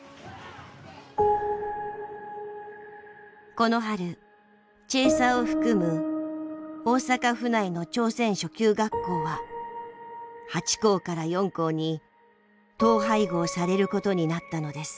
この春チェーサーを含む大阪府内の朝鮮初級学校は８校から４校に統廃合されることになったのです。